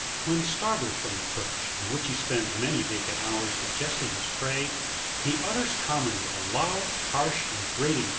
When startled from the perch, on which he spends many vacant hours digesting his prey, he utters commonly a loud, harsh, and grating 11.